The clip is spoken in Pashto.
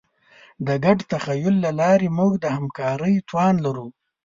د ګډ تخیل له لارې موږ د همکارۍ توان لرو.